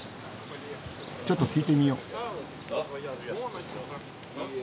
ちょっと聞いてみよう。